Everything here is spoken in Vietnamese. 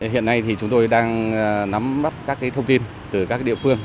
hiện nay thì chúng tôi đang nắm bắt các thông tin từ các địa phương